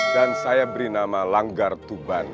dan saya beri nama langgar tuban